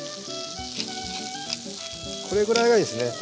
これぐらいがいいですね